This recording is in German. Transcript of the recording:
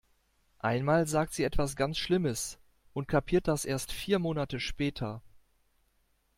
Einmal sagt sie etwas ganz schlimmes, und kapiert das erst vier Monate später.